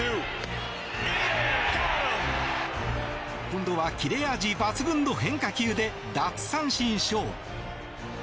今度は切れ味抜群の変化球で奪三振ショー。